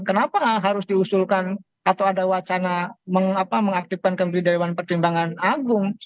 kenapa harus diusulkan atau ada wacana mengaktifkan kembali dewan pertimbangan agung